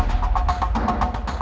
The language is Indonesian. terus seperti berubah